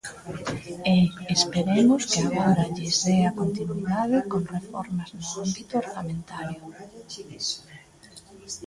E esperemos que agora lles dea continuidade con reformas no ámbito orzamentario.